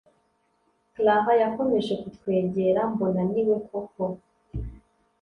Clara yakomeje kutwegera mbona niwe koko